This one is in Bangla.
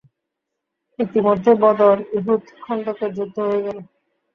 ইতিমধ্যে বদর, উহুদ, খন্দকের যুদ্ধ হয়ে গেল।